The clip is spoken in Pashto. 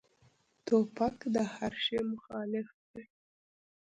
توپک د هر شي مخالف دی.